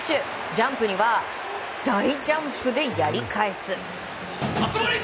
ジャンプには大ジャンプでやり返す！